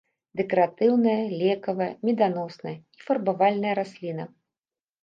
Дэкаратыўная, лекавая, меданосная і фарбавальная расліна.